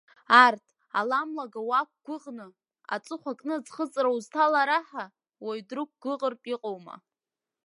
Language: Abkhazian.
Арҭ, ала млага уақәгәыӷны, аҵыхәа кны аӡхыҵра узҭалараҳа, уаҩ дрықәгәыӷыртә иҟоума!